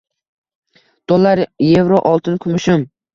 Dollar Evro oltin kumushim